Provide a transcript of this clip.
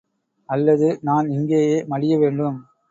அல்லது நான் இங்கேயே மடிய வேண்டும்!